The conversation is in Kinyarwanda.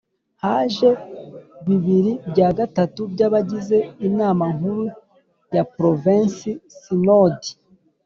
Haje bibiri bya gatatu by’abagize Inama Nkuru ya Provensi Sinodi